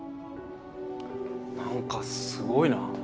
なんかすごいな。